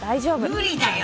無理だよ。